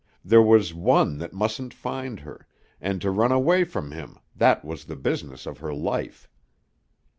There was one that mustn't find her, and to run away from him, that was the business of her life.